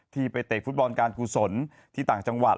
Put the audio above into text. ที่ไปเตะฟุตบอลการกุศลที่ต่างจังหวัด